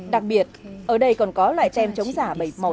đặc biệt ở đây còn có loại tem chống giả bảy mẫu